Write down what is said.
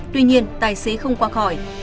tuy nhiên tài xế không qua khỏi